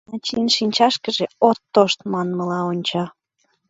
Начин шинчашкыже «от тошт» маншыла онча.